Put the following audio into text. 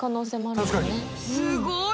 すごい！